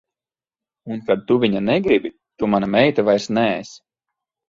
Un kad tu viņa negribi, tu mana meita vairs neesi.